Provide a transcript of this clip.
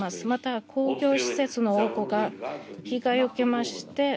また公共施設の多くが被害を受けました。